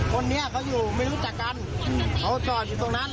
คนนี้เขาอยู่ไม่รู้จักกันเขาจอดอยู่ตรงนั้น